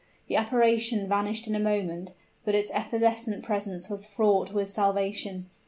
The apparition vanished in a moment; but its evanescent presence was fraught with salvation.